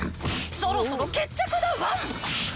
そろそろ決着だワン！」